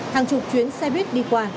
hàng chục chuyến xe bít đi qua